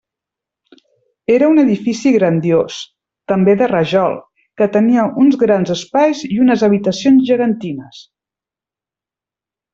Era un edifici grandiós, també de rajol, que tenia uns grans espais i unes habitacions gegantines.